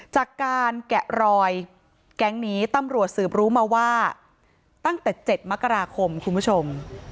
จากการแกะรอยแก๊งนี้ตำรวจสืบรู้มาว่าตั้งแต่๗มกราคมคุณผู้ชม